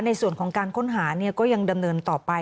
ในส่วนของการค้นหาก็ยังดำเนินต่อไป